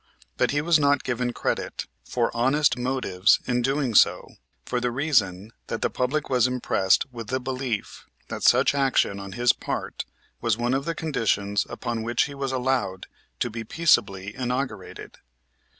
But he was not given credit for honest motives in doing so, for the reason that the public was impressed with the belief that such action on his part was one of the conditions upon which he was allowed to be peaceably inaugurated.